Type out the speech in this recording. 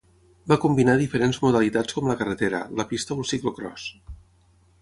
Va combinar diferents modalitats com la carretera, la pista o el ciclocròs.